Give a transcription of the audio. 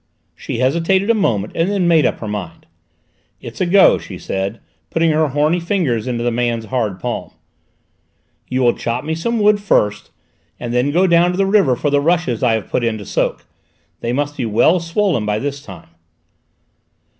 She hesitated a moment and then made up her mind. "It's a go," she said, putting her horny fingers into the man's hard palm. "You shall chop me some wood first, and then go down to the river for the rushes I have put in to soak; they must be well swollen by this time."